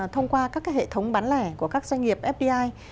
thông qua các cái hệ thống bán lẻ của các doanh nghiệp fbi